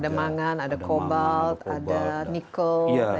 ada mangan ada cobalt ada nikel